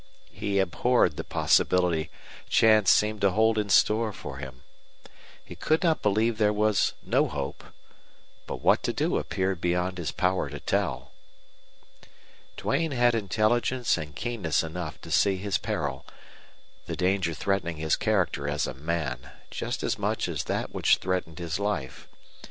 He abhorred the possibility chance seemed to hold in store for him. He could not believe there was no hope. But what to do appeared beyond his power to tell. Duane had intelligence and keenness enough to see his peril the danger threatening his character as a man, just as much as that which threatened his life.